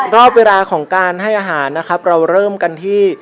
รอบเวลาของการให้อาหารนะครับเราเริ่มกันที่